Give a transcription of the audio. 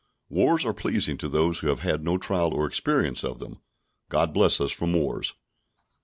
Wars are pleasing to those that have had no trial or experience of them; God bless us from wars.